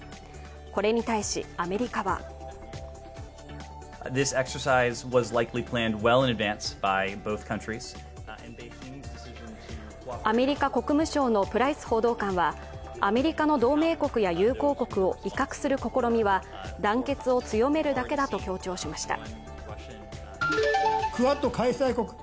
これに対しアメリカはアメリカ国務省のプライス報道官は、アメリカの同盟国や友好国を威嚇する試みは、団結を強めるだけだと強調しました。